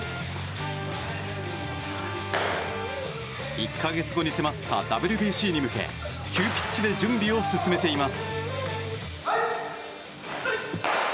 １か月後に迫ったＷＢＣに向け急ピッチで準備を進めています。